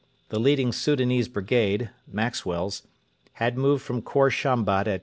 The leading Soudanese brigade Maxwell's had moved from Khor Shambat at 2.